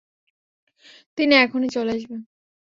তিনি এখনি চলে আসবে।